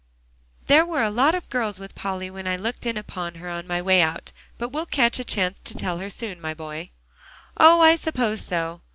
"There were a lot of girls with Polly when I looked in upon her on my way out. But we'll catch a chance to tell her soon, my boy." "Oh! I suppose so.